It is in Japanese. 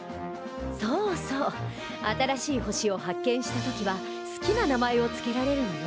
そうそう新しい星を発見した時は好きな名前を付けられるのよ！